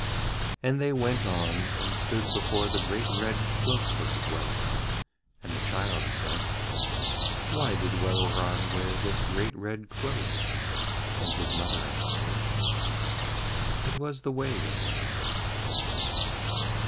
And they went on and stood before the great red cloak of Welleran, and the child said: 'Why did Welleran wear this great red cloak?' And his mother answered: 'It was the way of Welleran.'